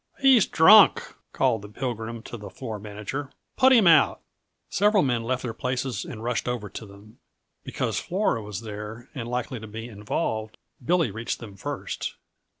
"He's drunk," called the Pilgrim to the floor manager. "Put him out!" Several men left their places and rushed over to them. Because Flora was there and likely to be involved, Billy reached them first.